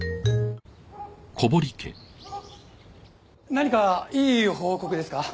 何かいい報告ですか？